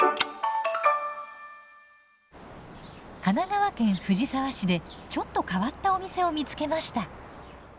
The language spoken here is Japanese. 神奈川県藤沢市でちょっと変わったお店を見つけました。